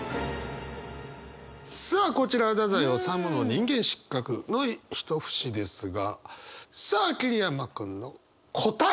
さあこちらは太宰治の「人間失格」の一節ですがさあ桐山君の答え！